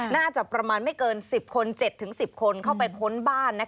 น่าจะประมาณไม่เกิน๑๐คน๗๑๐คนเข้าไปค้นบ้าน